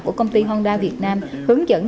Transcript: của công ty honda việt nam hướng dẫn